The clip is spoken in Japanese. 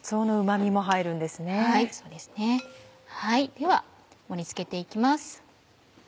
では盛り付けて行きます。